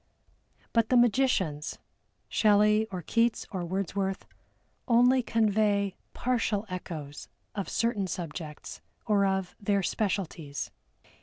But the magicians, SHELLEY, or KEATS, or WORDSWORTH, only convey partial echoes of certain subjects, or of their specialties.